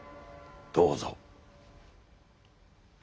どうぞ。